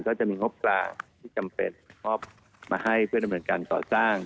ก็จะมีการบอกมาให้เพื่อนดำเนินการต่อสร้าง